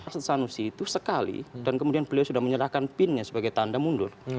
setelah anu situ sekali dan kemudian beliau sudah menyerahkan pinnya sebagai tanda mundur